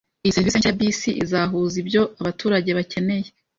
Iyi serivisi nshya ya bisi izahuza ibyo abaturage bakeneye